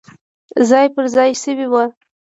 ځای پر ځای شوي وو.